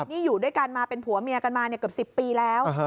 นี่อยู่ด้วยกันมาเป็นผัวเมียกันมาเกือบ๑๐ปีแล้ว